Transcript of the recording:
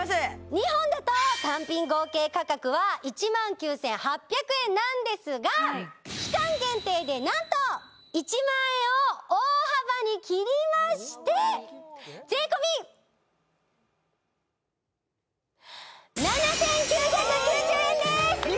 ２本だと単品合計価格は１万９８００円なんですが期間限定でなんと１万円を大幅に切りまして税込７９９０円です！